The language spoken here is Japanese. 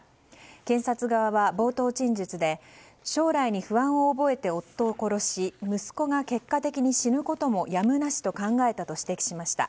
検察側は冒頭陳述で将来に不安を覚えて夫を殺し息子が結果的に死ぬこともやむなしと考えたと指摘しました。